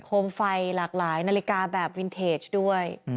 มไฟหลากหลายนาฬิกาแบบวินเทจด้วย